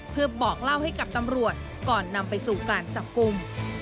เพื่อบอกเล่าให้กับตำรวจก่อนนำไปสู่การจับกลุ่ม